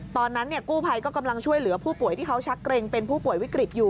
ตอนนั้นกู้ภัยก็กำลังช่วยเหลือผู้ป่วยที่เขาชักเกรงเป็นผู้ป่วยวิกฤตอยู่